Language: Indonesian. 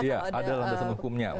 iya ada dalam hukumnya